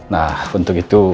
nah untuk itu